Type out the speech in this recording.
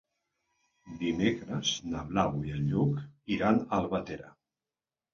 Dimecres na Blau i en Lluc iran a Albatera.